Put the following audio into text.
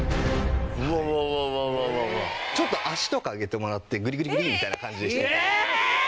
ちょっと足とか上げてもらってグリグリグリみたいな感じでして頂いていいですか？